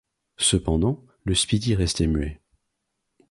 Cependant, le Speedy restait muet